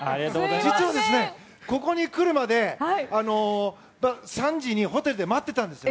実は、ここに来るまで３時にホテルで待ってたんですよ。